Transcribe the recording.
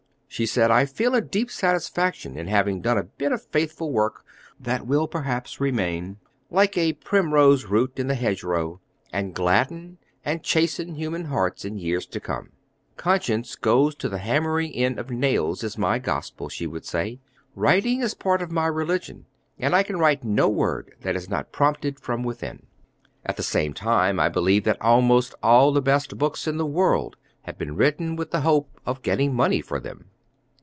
She said, "I feel a deep satisfaction in having done a bit of faithful work that will perhaps remain, like a primrose root in the hedgerow, and gladden and chasten human hearts in years to come." "'Conscience goes to the hammering in of nails' is my gospel," she would say. "Writing is part of my religion, and I can write no word that is not prompted from within. At the same time I believe that almost all the best books in the world have been written with the hope of getting money for them."